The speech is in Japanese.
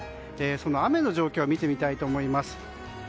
その雨の状況を見てみたいと思います。